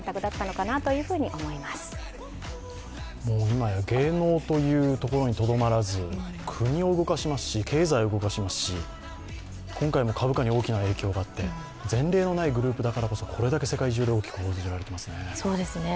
今や芸能というところにとどまらず、国を動かしますし経済を動かしますし今回も株価に大きな影響があって前例のないグループだからこそこれだけ世界中で大きく報じられていますね。